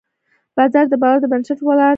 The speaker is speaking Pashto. بازار د باور پر بنسټ ولاړ دی.